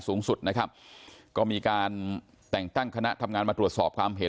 สูงสุดนะครับก็มีการแต่งตั้งคณะทำงานมาตรวจสอบความเห็น